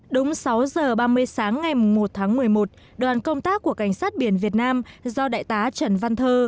đúng sáu giờ ba mươi sáng ngày một tháng một mươi một đoàn công tác của cảnh sát biển việt nam do đại tá trần văn thơ